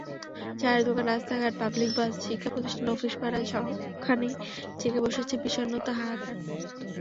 চায়ের দোকান, রাস্তা-ঘাট, public bus, শিক্ষাপ্রতিষ্ঠান, অফিস পাড়া—সবখানেই জেঁকে বসেছে বিষণ্নতা, হাহাকার।